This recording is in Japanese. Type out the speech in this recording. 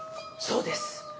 そうです！